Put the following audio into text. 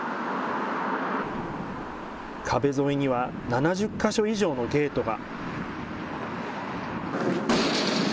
壁沿いには７０か所以上のゲートが。